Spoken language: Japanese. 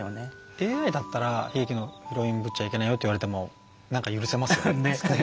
ＡＩだったら悲劇のヒロインぶっちゃいけないよって言われても許せますよね。